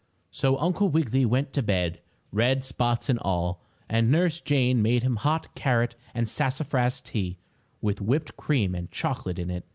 So Uncle Wiggily went to bed, red spots and all, and Nurse Jane made him hot carrot and sassafras tea, with whipped cream and chocolate in it.